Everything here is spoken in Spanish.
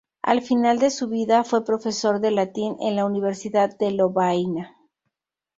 Al final de su vida fue profesor de latín en la Universidad de Lovaina.